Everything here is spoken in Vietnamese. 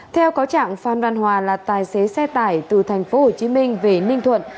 theo cáo trạng phan văn hòa là tài xế xe tải từ tp hcm về ninh thuận